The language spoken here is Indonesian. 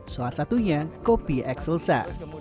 salah satunya kopi ekselsa